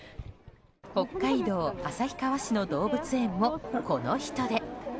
北海道旭川市の動物園もこの人出。